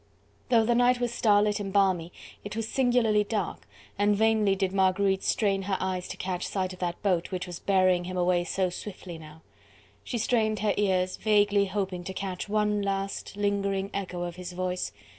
Though the night was starlit and balmy it was singularly dark, and vainly did Marguerite strain her eyes to catch sight of that boat which was bearing him away so swiftly now: she strained her ears, vaguely hoping to catch one last, lingering echo of his voice.